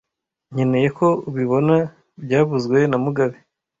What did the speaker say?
Nkeneye ko ubibona byavuzwe na mugabe